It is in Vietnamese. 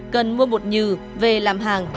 cần mua bột nhừ về làm hàng